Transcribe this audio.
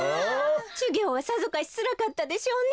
しゅぎょうはさぞかしつらかったでしょうね。